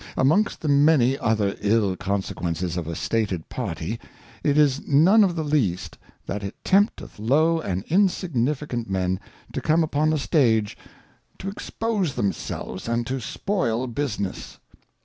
Amongst the many other ill consequences of a stated Party, it is none of the least, that it tempteth low and insignificant men to come upon the Stage, to expose themselves, and to spoil Business.